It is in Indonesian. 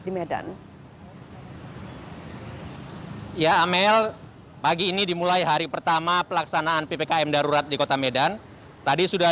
di medan ya amel pagi ini dimulai hari pertama pelaksanaan ppkm darurat di kota medan tadi sudah